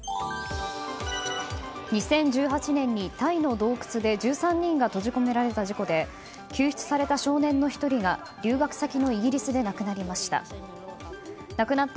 ２０１８年にタイの洞窟で１３人が閉じ込められた事故で救出された少年の１人が留学先のイギリスで亡くなりました。